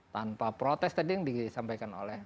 tanpa protes tadi yang disampaikan oleh